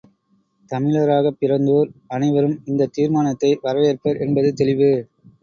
தமிழராகப் பிறந்தோர் அனைவரும் இந்தத் தீர்மானத்தை வரவேற்பர் என்பது தெளிவு.